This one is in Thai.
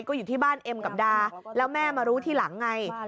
ก็อยู่ที่บ้านเอ็มกับดาแล้วแม่มารู้ทีหลังไง